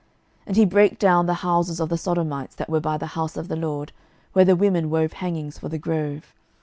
12:023:007 And he brake down the houses of the sodomites, that were by the house of the LORD, where the women wove hangings for the grove.